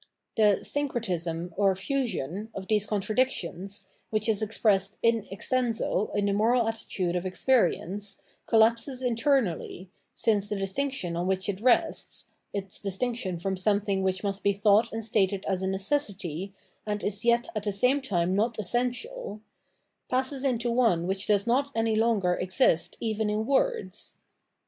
The syncretism, or fusion, of these contradictions, which is expressed in eodenso in the moral attitude of experience, collapses internally, since the distinction on which it rests — its distinction from something which must be thought and stated as a necessity, and is yet at the same time not essential — ^passes into one which does not any longer exist even in words.